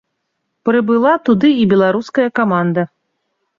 Прыбыла туды і беларуская каманда.